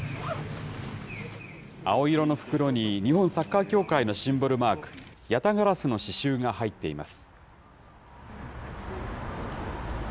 青色の袋に日本サッカー協会のシンボルマーク、八咫烏の刺しゅうが入っています。